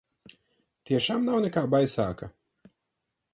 Tiešām nav nekā baisāka?